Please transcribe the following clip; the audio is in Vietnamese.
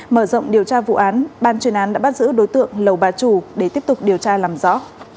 mở rộng điều tra vụ án ban chuyên án đã bắt giữ đối tượng lầu bà trù để tiếp tục điều tra làm rõ